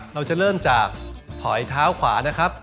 เราจะเริ่มจากถอยเท้าขวานะครับ